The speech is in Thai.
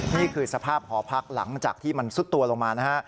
นี่คือสภาพหอพักหลังจากที่มันซุดตัวลงมานะฮะ